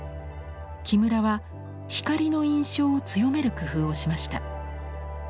木村は光の印象を強める工夫をしました。